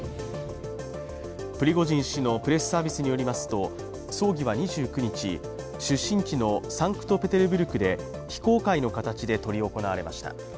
プリゴジン氏のプレスサービスによりますと葬儀は２９日、出身地のサンクトペテルブルクで非公開の形で執り行われました